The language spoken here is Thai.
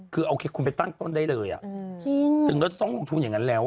คือโอเคคุณไปตั้งต้นได้เลยถึงเราจะต้องลงทุนอย่างนั้นแล้ว